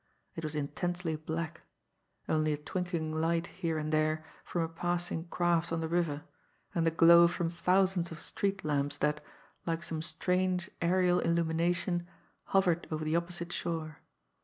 It was intensely black only a twinkling light here and there from a passing craft on the river, and the glow from thousands of street lamps that, like some strange aerial illumination, hovered over the opposite shore.